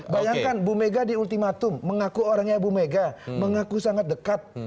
bayangkan bu mega di ultimatum mengaku orangnya bu mega mengaku sangat dekat